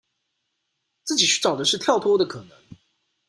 自己尋找的是跳脫的可能